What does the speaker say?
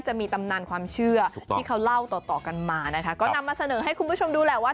จะมีตำนานความเชื่อที่เขาเล่าต่อต่อกันมานะคะก็นำมาเสนอให้คุณผู้ชมดูแหละว่า